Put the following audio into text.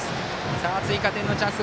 追加点のチャンス